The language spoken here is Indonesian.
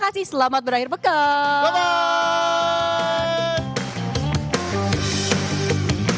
kalau gitu saya mau buat share aja